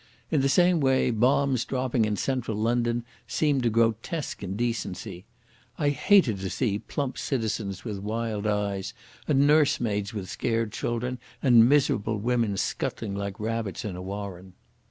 In the same way bombs dropping in central London seemed a grotesque indecency. I hated to see plump citizens with wild eyes, and nursemaids with scared children, and miserable women scuttling like rabbits in a warren.